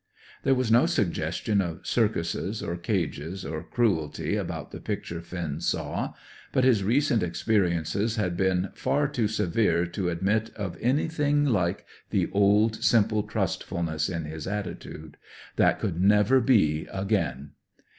There was no suggestion of circuses, or cages, or cruelty about the picture Finn saw; but his recent experiences had been far too severe to admit of anything like the old simple trustfulness in his attitude. That could never be again.